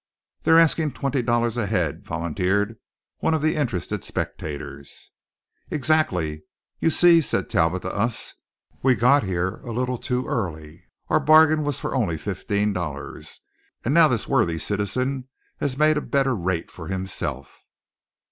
"They're askin' twenty dollars a head," volunteered one of the interested spectators. "Exactly. You see," said Talbot to us, "we got here a little too early. Our bargain was for only fifteen dollars; and now this worthy citizen has made a better rate for himself."